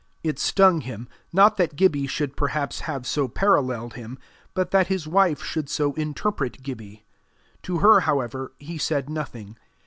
It stung him, not that Gibbie should perhaps have so paralleled him, but that his wife should so interpret Gibbie. To her, however, he said nothing.